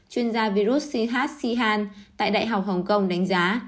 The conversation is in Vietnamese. chuyên gia virus c h c han tại đại học hồng kông đánh giá